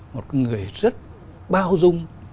một người rất bao dung